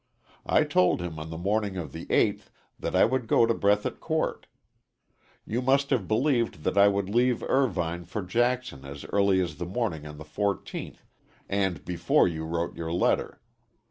I told him on the morning of the eighth that I would go to Breathitt court. You must have believed that I would leave Irvine for Jackson as early as the morning of the 14th, and before you wrote your letter.